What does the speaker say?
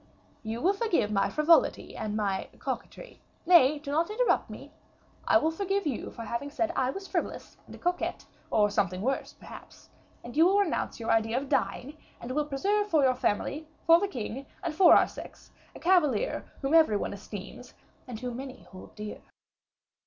You will forgive my frivolity and my coquetry. Nay, do not interrupt me. I will forgive you for having said I was frivolous and a coquette, or something worse, perhaps; and you will renounce your idea of dying, and will preserve for your family, for the king, and for our sex, a cavalier whom every one esteems, and whom many hold dear."